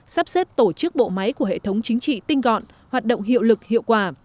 sắp xếp tổ chức bộ máy của hệ thống chính trị tinh gọn hoạt động hiệu lực hiệu quả